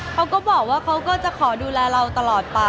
เขาก็บอกว่าเขาก็จะขอดูแลเราตลอดไป